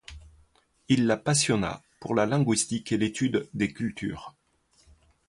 Il la passionna pour la linguistique et l'étude des cultures.